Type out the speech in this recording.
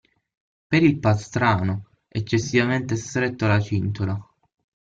Per il pastrano eccessivamente stretto alla cintola.